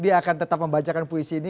dia akan tetap membacakan puisi ini